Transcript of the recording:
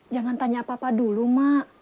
jangan tanya apa apa dulu mak